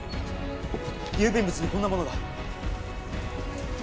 郵便物にこんなものが。